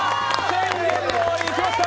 宣言どおり、いきました！